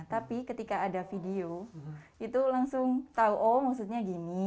tapi ketika ada video saya langsung tahu maksudnya